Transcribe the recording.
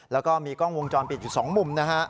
แล้วก็มีกล้องวงจรปิดอยู่๒มุมนะฮะ